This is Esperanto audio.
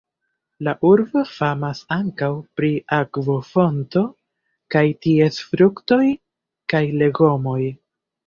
La urbo famas ankaŭ pri akvofonto kaj ties fruktoj kaj legomoj.